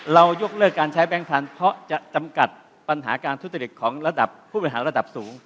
ยกเลิกการใช้แบงค์พันธุ์เพราะจะจำกัดปัญหาการทุจริตของระดับผู้บริหารระดับสูง